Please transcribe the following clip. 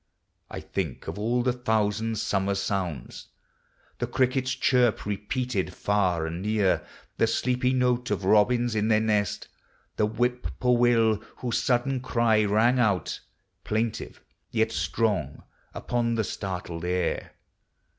I think of all the thousand summer sounds. The cricket's chirp, repeated far and near; The sleepy note of robins in their nest ; The whippoorwill, whose sudden cry rang (nit. Plaintive, yot strong, upon the startled air.